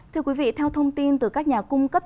thưa quý vị theo thông tin từ các nhà cung cấp